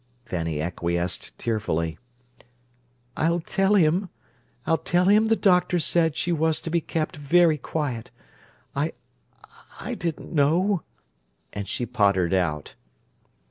Fanny acquiesced tearfully. "I'll tell him. I'll tell him the doctor said she was to be kept very quiet. I—I didn't know—" And she pottered out.